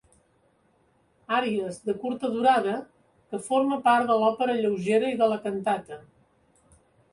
Àries de curta durada que forma part de l'òpera lleugera i de la cantata.